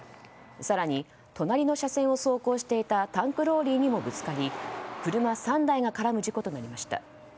更に隣の車線を走行していたタンクローリーにもぶつかり車３台が絡む事故となりました。